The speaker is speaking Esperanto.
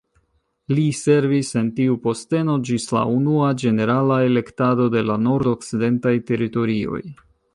Li servis en tiu posteno ĝis la Unua ĝenerala elektado de la Nordokcidentaj Teritorioj.